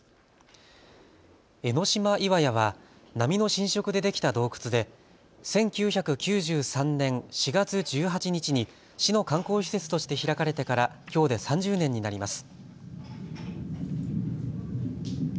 江の島岩屋は波の浸食でできた洞窟で１９９３年４月１８日に市の観光施設として開かれてからきょうで３０年になります。